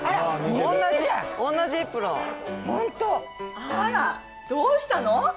ホントあらどうしたの？